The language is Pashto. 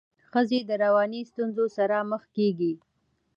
ښځي د رواني ستونزو سره مخ کيږي.